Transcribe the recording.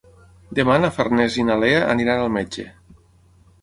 Demà na Farners i na Lea aniran al metge.